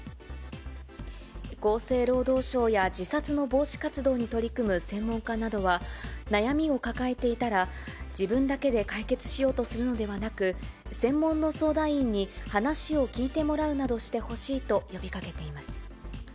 厚生労働省や自殺の防止活動に取り組む専門家などは、悩みを抱えていたら、自分だけで解決しようとするのではなく、専門の相談員に話を聞いてもらうなどしてほしいと呼びかけています。